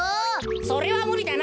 それはむりだな。